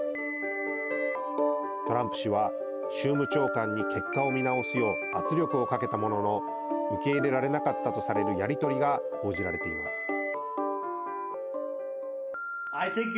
トランプ氏は州務長官に、結果を見直すよう圧力をかけたものの受け入れられなかったとされるやり取りが報じられています。